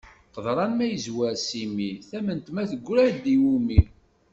Qeḍran ma yezwer s imi, tament ma teggra-d i wumi.